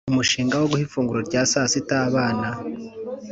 Umushinga wo guha ifunguro rya saa sita abana.